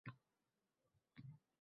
Uchrashuvda o‘ziniki qilib aytdi.